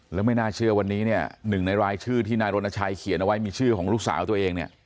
แล้วไม่น่าเชื่อวันนี้เนี่ยหนึ่งในรายชื่อที่นายรณชัยเขียนเอาไว้มีชื่อของลูกสาวตัวเองเนี่ย